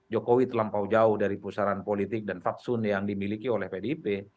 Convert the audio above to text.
jokowi terlampau jauh dari pusaran politik dan fatsun yang dimiliki oleh pdip